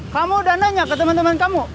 kamu udah nanya ke temen temen kamu